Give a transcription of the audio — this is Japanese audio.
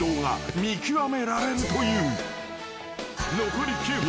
［残り９秒。